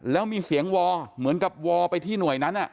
แล้วมีเสียงวอเหมือนกับวอลไปที่หน่วยนั้น